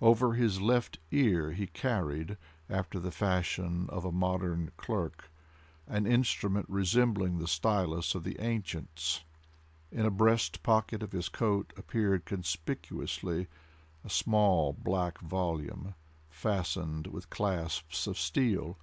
Over his left ear, he carried, after the fashion of a modern clerk, an instrument resembling the stylus of the ancients. In a breast pocket of his coat appeared conspicuously a small black volume fastened with clasps of steel.